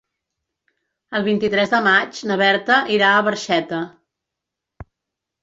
El vint-i-tres de maig na Berta irà a Barxeta.